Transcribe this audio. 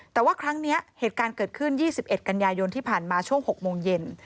แต่ว่าครั้งนี้เหตุการณ์เกิดขึ้น๒๑กันยายนที่ผ่านมาช่วง๖โมงเย็น